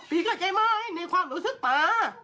พี่ใช่ไหมในความรู้สึกป๊า